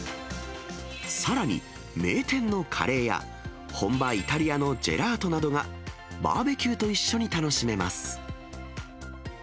さらに、名店のカレーや本場イタリアのジェラートなどがバーベキューと一緒に楽しめます。